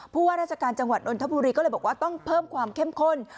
ว่าราชการจังหวัดนนทบุรีก็เลยบอกว่าต้องเพิ่มความเข้มข้น